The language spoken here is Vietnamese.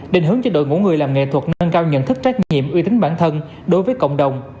định hướng cho đội ngũ người làm nghệ thuật nâng cao nhận thức trách nhiệm uy tín bản thân đối với cộng đồng